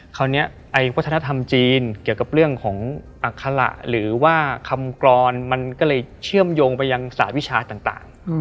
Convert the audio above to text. คราวนี้ไอ้วัฒนธรรมจีนเกี่ยวกับเรื่องของอัคระหรือว่าคำกรอนมันก็เลยเชื่อมโยงไปยังสหวิชาต่าง